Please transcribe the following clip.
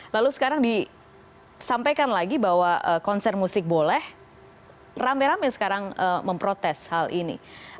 lalu sekarang disampaikan lagi bahwa konser musik boleh rame rame sekarang memprotes hal ini